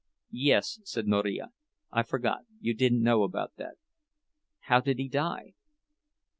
"Yes," said Marija, "I forgot. You didn't know about it." "How did he die?"